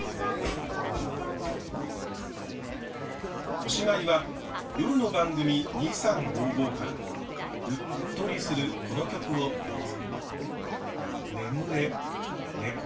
おしまいは夜の番組「２３５５」からうっとりするこの曲をどうぞ。